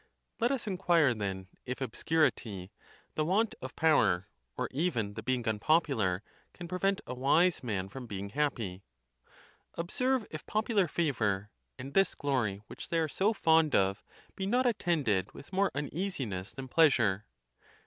Let us inquire, then, if obscurity, the want of power, or even the. being unpopular, can prevent a wise man from being happy. Observe if popular favor, and this glory which they are so fond of, be not attended with more uneasiness than pleasure.